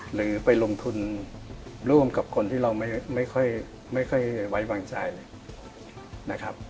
หรือไปลงทุนร่วมกับคนที่เราไม่ค่อยไว้วางใจเลยนะครับ